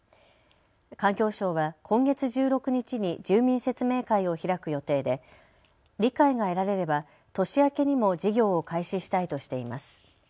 環境省は今月１６日に住民説明会を開く予定で、理解が得られれば年明けにも事業を開始したいとしています。